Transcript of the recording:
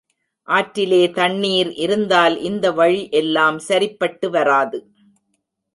ஆற்றிலே தண்ணீர் இருந்தால் இந்த வழி எல்லாம் சரிப்பட்டு வராது.